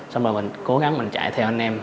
xong rồi mình cố gắng mình chạy theo anh em